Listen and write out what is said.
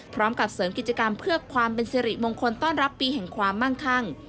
พร้อมกับเสริมกิจกรรมเพื่อความเป็นสิริมงคลต้อนรับปีแห่งความมั่งคั่ง